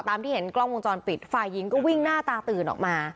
ที่เห็นกล้องวงจรปิดฝ่ายหญิงก็วิ่งหน้าตาตื่นออกมา